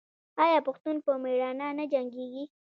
آیا پښتون په میړانه نه جنګیږي؟